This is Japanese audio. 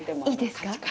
いいですか？